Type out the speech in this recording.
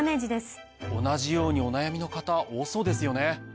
同じようにお悩みの方多そうですよね。